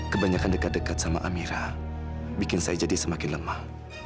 kebanyakan dekat dekat sama amira bikin saya jadi semakin lemah